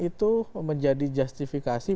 itu menjadi justifikasi